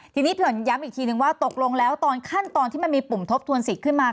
ทีนี้เผื่อนย้ำอีกทีนึงว่าตกลงแล้วตอนขั้นตอนที่มันมีปุ่มทบทวนสิทธิ์ขึ้นมา